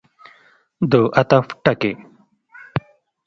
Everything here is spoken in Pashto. د عطف ټکی.